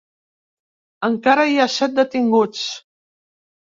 Encara hi ha set detinguts.